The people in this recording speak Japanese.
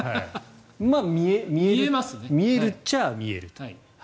まあ、見えるっちゃ見えると。